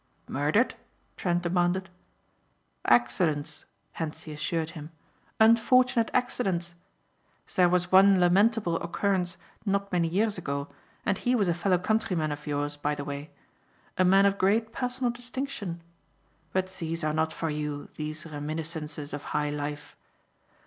"Murdered?" Trent demanded. "Accidents," Hentzi assured him, "unfortunate accidents. There was one lamentable occurrence not many years ago and he was a fellow countryman of yours by the way. A man of great personal distinction. But these are not for you, these reminiscences of high life.